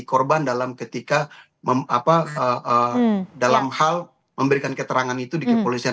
korban dalam ketika dalam hal memberikan keterangan itu di kepolisian